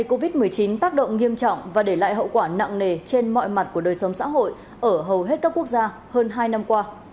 covid một mươi chín tác động nghiêm trọng và để lại hậu quả nặng nề trên mọi mặt của đời sống xã hội ở hầu hết các quốc gia hơn hai năm qua